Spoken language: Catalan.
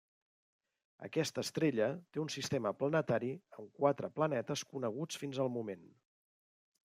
Aquesta estrella té un sistema planetari amb quatre planetes coneguts fins al moment.